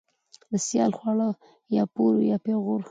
ـ د سيال خواړه يا پور وي يا پېغور.